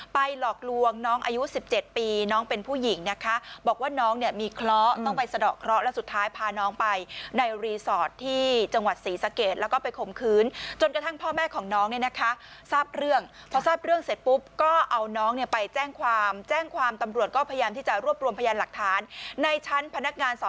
หลอกลวงน้องอายุ๑๗ปีน้องเป็นผู้หญิงนะคะบอกว่าน้องเนี่ยมีเคราะห์ต้องไปสะดอกเคราะห์แล้วสุดท้ายพาน้องไปในรีสอร์ทที่จังหวัดศรีสะเกดแล้วก็ไปข่มขืนจนกระทั่งพ่อแม่ของน้องเนี่ยนะคะทราบเรื่องพอทราบเรื่องเสร็จปุ๊บก็เอาน้องเนี่ยไปแจ้งความแจ้งความตำรวจก็พยายามที่จะรวบรวมพยานหลักฐานในชั้นพนักงานสอบ